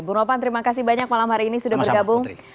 bu ropan terima kasih banyak malam hari ini sudah bergabung